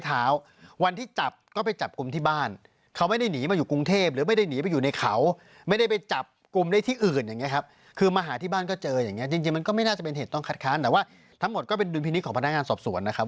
แต่ว่าทั้งหมดก็เป็นดุลพินิษฐ์ของพนักงานสอบสวนนะครับ